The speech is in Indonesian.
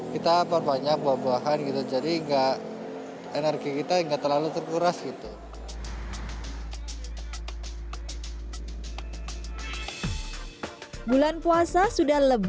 kita perbanyak buah buahan gitu jadi enggak energi kita enggak terlalu terkuras gitu